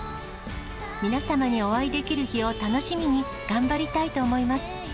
皆様にお会いできる日を楽しみに、頑張りたいと思います。